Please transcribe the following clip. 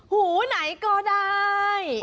หูไหนก็ได้